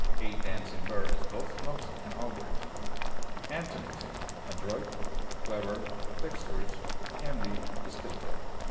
A dancing bear is both clumsy and awkward. Antonyms: adroit, clever, dexterous, handy, skilful.